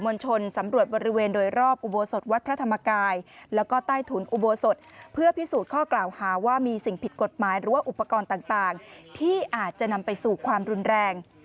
กฎหมายหรือว่าอุปกรณ์ต่างที่อาจจะนำไปสู่ความรุนแรง